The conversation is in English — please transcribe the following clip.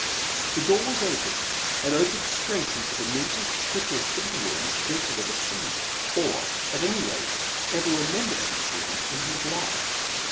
The door was open, and opened straight into the neatest, prettiest sitting room Dick had ever seen — or, at any rate, ever remembered having seen — in his life.